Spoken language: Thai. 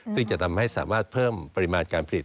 ซึ่งจะทำให้สามารถเพิ่มปริมาณการผลิต